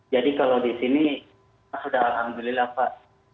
jadi kalau di sini sudah alhamdulillah pak